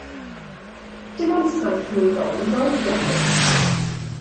Dim ond saith mlwydd oed oedd Delyth.